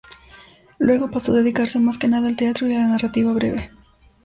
Luego pasó a dedicarse más que nada al teatro y a la narrativa breve.